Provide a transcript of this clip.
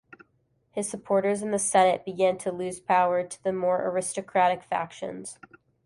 His supporters in the Senate began to lose power to the more aristocratic factions.